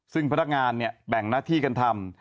ซึ่งพนักงานแบ่งหน้าที่กันทำ